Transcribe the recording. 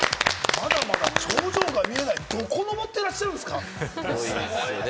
まだまだ頂上が見えない、どこ登ってらっしゃるんですか？